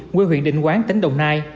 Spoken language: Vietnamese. nguyên huyện định quán tỉnh đồng nai